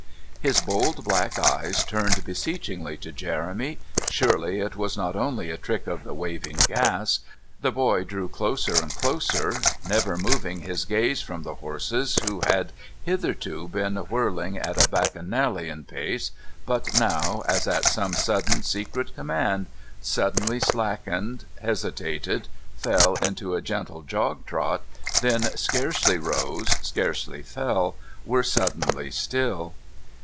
His bold black eyes turned beseechingly to Jeremy surely it was not only a trick of the waving gas; the boy drew closer and closer, never moving his gaze from the horses who had hitherto been whirling at a bacchanalian pace, but now, as at some sudden secret command, suddenly slackened, hesitated, fell into a gentle jog trot, then scarcely rose, scarcely fell, were suddenly still.